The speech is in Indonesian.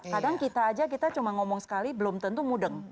kadang kita aja kita cuma ngomong sekali belum tentu mudeng